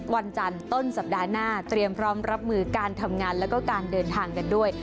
วันจันทร์ต้นสัปดาห์หน้าเตรียมพร้อมรับมือการทำงานแล้วก็การเดินทางกันด้วย